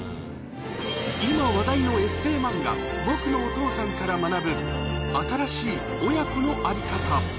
今、話題のエッセイ漫画、ぼくのお父さんから学ぶ、新しい親子のあり方。